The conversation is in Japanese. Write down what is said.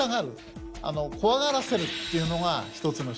怖がらせるっていうのが一つの仕事。